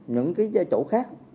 những cái chỗ khác